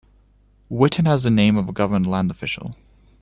Witten has the name of a government land official.